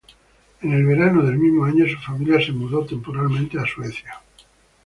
En el verano del mismo año, su familia se mudó temporalmente a Suecia.